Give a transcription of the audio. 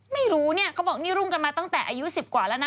ไม่รู้เนี่ยเขาบอกนี่รุ่งกันมาตั้งแต่อายุ๑๐กว่าแล้วนะ